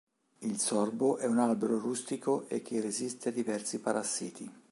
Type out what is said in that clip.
Il sorbo è un albero rustico e che resiste a diversi parassiti.